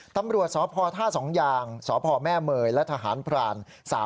ตำรวจสภท่าสองยางสภแม่เมยและทหารพราน๓๕๐๑